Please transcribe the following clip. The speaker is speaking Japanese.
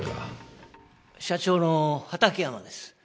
社長の畠山です。